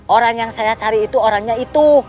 orang yang saya cari itu orangnya itu